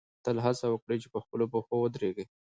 تل هڅه وکړئ چې په خپلو پښو ودرېږئ.